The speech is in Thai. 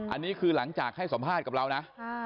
อันนี้คือหลังจากให้สัมภาษณ์กับเรานะ